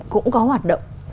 cũng có hoạt động